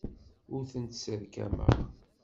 Ur tent-sserkameɣ.